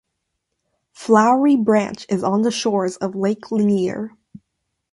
Flowery Branch is on the shores of Lake Lanier.